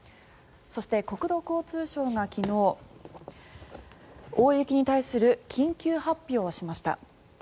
そして、国土交通省が昨日大雪に対する緊急発表をしました。